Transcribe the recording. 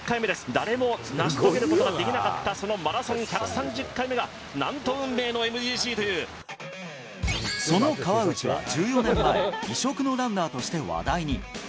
誰も成し遂げることができなかった、そのマラソン１３０回目が、その川内は１４年前、異色のランナーとして話題に。